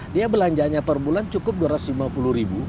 dia belanjanya per bulan cukup dua ratus lima puluh ribu